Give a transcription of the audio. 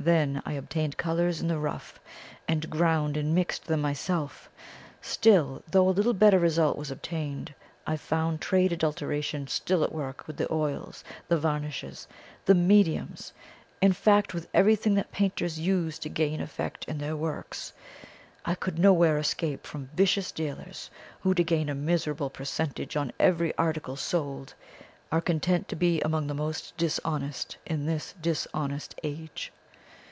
Then I obtained colours in the rough, and ground and mixed them myself; still, though a little better result was obtained, I found trade adulteration still at work with the oils, the varnishes, the mediums in fact, with everything that painters use to gain effect in their works. I could nowhere escape from vicious dealers, who, to gain a miserable percentage on every article sold, are content to be among the most dishonest men in this dishonest age.